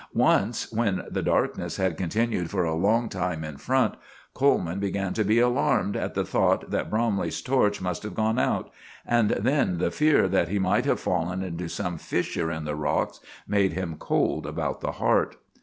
Once, when the darkness had continued for a long time in front, Coleman began to be alarmed at the thought that Bromley's torch must have gone out, and then the fear that he might have fallen into some fissure in the rocks made him cold about the heart.